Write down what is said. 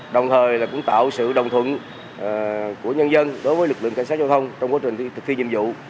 đồng thời cũng tạo sự đồng thuận của nhân dân đối với lực lượng cảnh sát giao thông trong quá trình thực thi nhiệm vụ